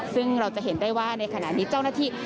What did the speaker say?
ซึ่งเราจะเห็นได้ว่าในขณะนี้เจ้าหน้าที่